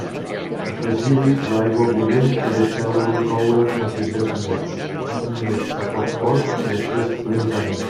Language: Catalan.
Afegiu-hi l'aigua bullent i deixeu-lo coure uns disset minuts, cinc minuts a foc fort i després lentament.